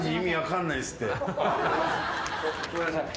ごめんなさい。